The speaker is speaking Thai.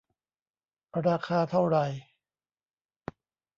ราคาเท่าไร